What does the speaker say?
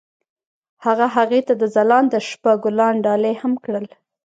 هغه هغې ته د ځلانده شپه ګلان ډالۍ هم کړل.